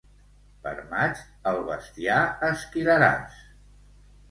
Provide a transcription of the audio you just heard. Per maig, el bestiar esquilaràs.